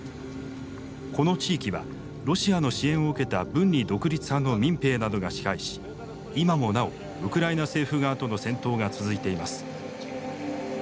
この地域はロシアの支援を受けた分離独立派の民兵などが支配し今もなおウクライナ政府側との戦闘が続いています。